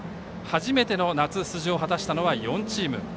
初めての夏出場を果たしたのは４チーム。